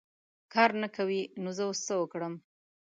کار نه کوې ! نو زه اوس څه وکړم .